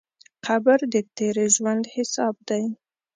قبر د تېر ژوند حساب دی.